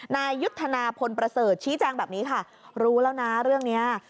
นายยุทธนาพลประเสริฐชี้แจงแบบนี้ค่ะรู้แล้วนะเรื่องนี้